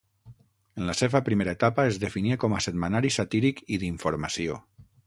En la seva primera etapa es definia com a setmanari satíric i d'informació.